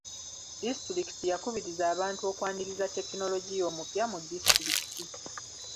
Disitulikiti yakubiriza abantu okwaniriza tekinologiya omupya mu disitulikiti.